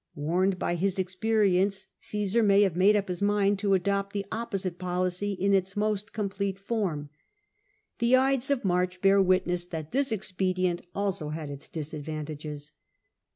Warned by his experience, CsBsar may have made up Ms mind to adopt the opposite policy in its most complete form. The Ides of March bear witness that this experiment also had its disadvantages.